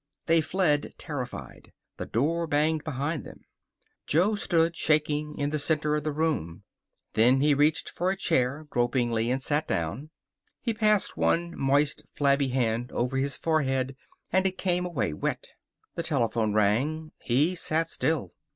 They fled, terrified. The door banged behind them. Jo stood, shaking, in the center of the room. Then he reached for a chair, gropingly, and sat down. He passed one moist, flabby hand over his forehead and it came away wet. The telephone rang. He sat still.